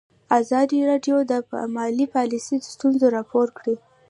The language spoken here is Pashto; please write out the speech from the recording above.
ازادي راډیو د مالي پالیسي ستونزې راپور کړي.